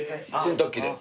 洗濯機で？